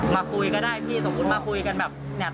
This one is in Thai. มาคุยก็ได้พี่สมมุติมาคุยกันแบบเนี่ย